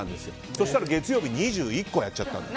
そしたら月曜日２１個やっちゃった。